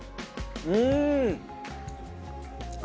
うん！